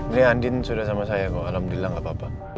ini andin sudah sama saya kok alhamdulillah gak papa